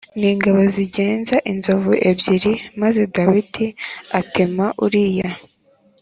n ingabo zigenza inzovu ebyiri maze Dawidi atema uriya